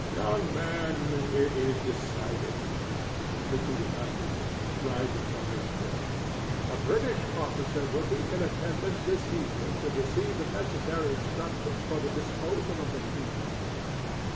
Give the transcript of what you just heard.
"Young man, it is decided," repeated Hutchinson, rising from his chair. "A British officer will be in attendance this evening to receive the necessary instructions for the disposal of the troops.